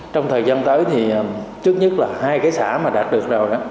trong thời gian tới thì trước nhất là hai cái xã mà đạt được rồi đó